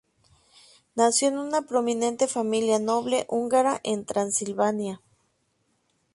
Nació en una prominente familia noble húngara en Transilvania.